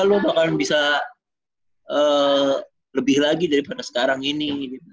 lo bakalan bisa lebih lagi daripada sekarang ini